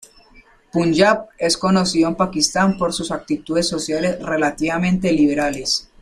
Punyab es conocido en Pakistán por sus actitudes sociales relativamente liberales.